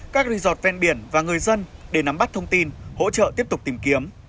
các resort ven biển và người dân để nắm bắt thông tin hỗ trợ tiếp tục tìm kiếm